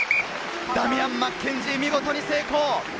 ダミアン・マッケンジー、見事に成功！